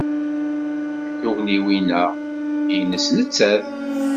Tugniwin-a nnes nettat.